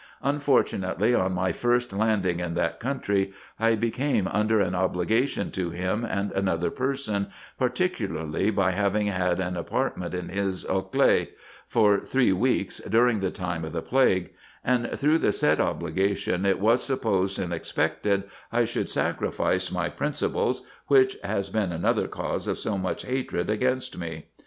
Unfortunately, on my first landing in that country, I became under an obligation to him and another person, particularly by having had an apartment in his occaley for three weeks, during the time of the plague ; and through the said obligation it was supposed and expected I should sacrifice my principles, which has been another cause of so much hatred against me.